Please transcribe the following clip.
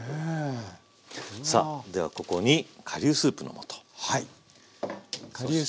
さあではここに顆粒スープの素。